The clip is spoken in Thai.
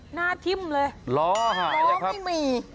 หน้าทิ้มเลยล้อหายแล้วครับล้อไม่มี